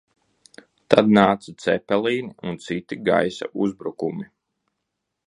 Tad nāca Cepelīni un citi gaisa uzbrukumi.